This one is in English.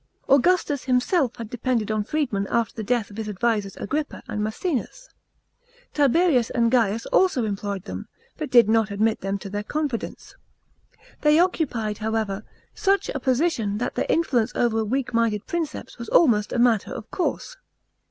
Augustus himself had depended on freedmen after the death of his advisers Agrippa and Maecenas. Tiberius and Gams also employed them, but did not admit them to their confideuce. They occupied, however, such ? position that their influence over a weak minded Princeps was almost a matter of course.